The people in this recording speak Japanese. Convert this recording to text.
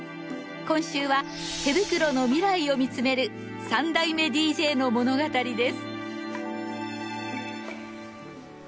今週は手袋の未来を見つめる三代目ＤＪの物語です。